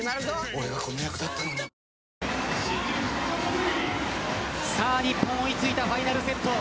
俺がこの役だったのに日本追いついたファイナルセット。